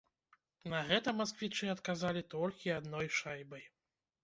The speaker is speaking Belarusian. На гэта масквічы адказалі толькі адной шайбай.